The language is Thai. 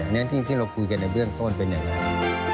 อันนี้ที่เราคุยกันในเรื่องต้นเป็นอย่างไร